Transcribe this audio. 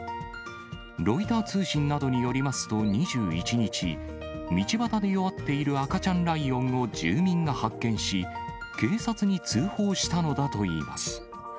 ロイター通信などによりますと、２１日、道端で弱っている赤ちゃんライオンを住民が発見し、警察に通報したのだといいます。